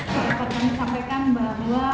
saya akan menyampaikan bahwa